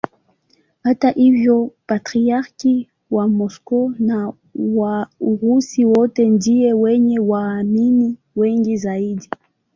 Hata hivyo Patriarki wa Moscow na wa Urusi wote ndiye mwenye waamini wengi zaidi.